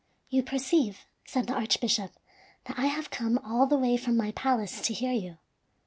"You perceive," said the archbishop, "that I have come all the way from my palace to hear you.